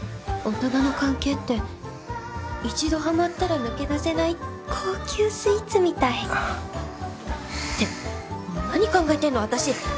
大人の関係って一度ハマったら抜け出せない高級スイーツみたい。って何考えてんの私！